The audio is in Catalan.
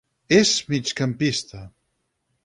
És migcampista.